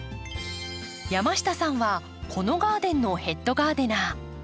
山下さんはこのガーデンのヘッドガーデナー。